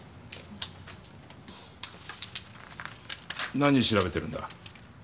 何調べてるんだ？